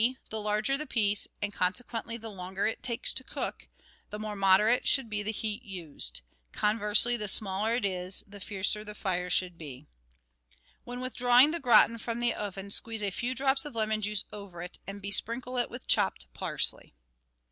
The larger the piece, and consequently the longer it takes to cook, the more moderate should be the heat used. Conversely, the smaller it is, the fiercer should the fire be. When withdrawing the gratin from the oven squeeze a few drops of lemon juice over it, and besprinkle it with chopped parsley.